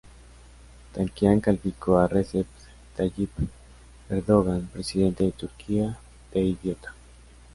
Tankian calificó a Recep Tayyip Erdoğan, presidente de Turquía, de idiota.